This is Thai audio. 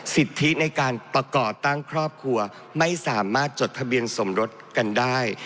สิทธิในการประกอบตั้งครอบครัวไม่สามารถจดทะเบียนสมรสกันได้